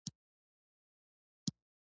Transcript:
کویلیو دا ناول یوازې په دوه اونیو کې ولیکه.